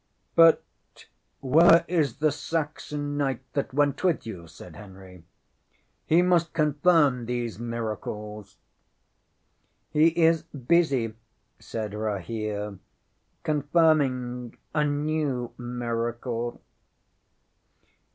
] ŌĆśŌĆ£But where is the Saxon knight that went with you? ŌĆØ said Henry. ŌĆ£He must confirm these miracles. ŌĆØ ŌĆśŌĆ£He is busy, ŌĆØ said Rahere, ŌĆ£confirming a new miracle.